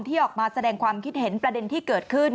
ที่ออกมาแสดงความคิดเห็นประเด็นที่เกิดขึ้น